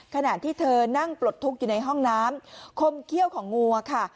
ขณะที่เธอนั่งปลดทุกข์อยู่ในห้องน้ำคมเขี้ยวของงัวค่ะ